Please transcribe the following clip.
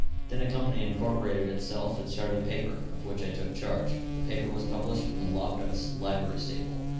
Then a company incorporated itself and started a paper, of which I took charge. The paper was published in the loft of a livery stable.